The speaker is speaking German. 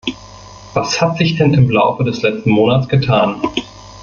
Was hat sich denn im Laufe des letzten Monats getan?